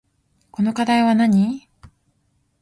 この課題はなに